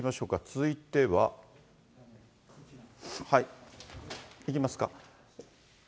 続いては。いきますか？